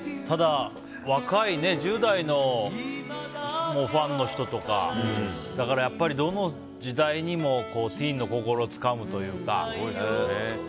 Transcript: ただ、若い１０代のファンの人とかだからやっぱりどの時代にもティーンの心をつかむというか。